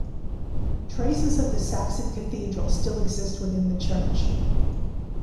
Traces of the Saxon cathedral still exist within the church.